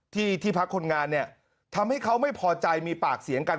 ที่ที่พักคนงานเนี่ยทำให้เขาไม่พอใจมีปากเสียงกัน